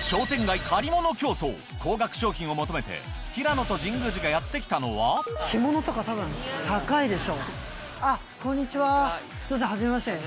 商店街借り物競争高額商品を求めて平野と神宮寺がやって来たのはこんにちははじめまして。